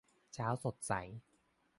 เช้าสดใส